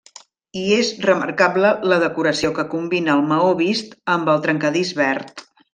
Hi és remarcable la decoració, que combina el maó vist amb el trencadís verd.